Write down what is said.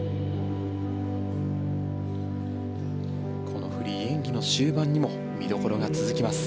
このフリー演技の終盤にも見どころが続きます。